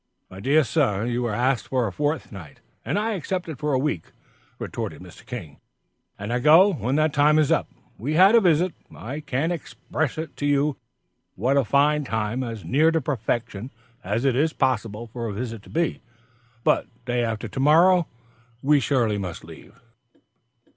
"My dear sir, you were asked for a fortnight." "And I accepted for a week," retorted Mr. King, "and I go when that time is up. We've had a visit I can't express it to you, what a fine time as near to perfection as it is possible for a visit to be; but day after to morrow we surely must leave."